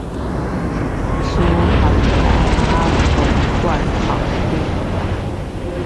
師範大學公館校區